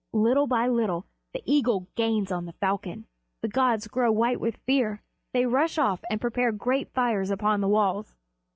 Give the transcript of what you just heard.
Little by little the eagle gains on the falcon. The gods grow white with fear; they rush off and prepare great fires upon the walls.